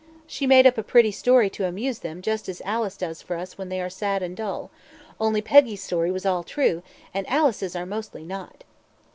"She made up a pretty story to amuse them just as Alice does for us when they were sad and dull only Peggy's story was all true, and Alice's are mostly not."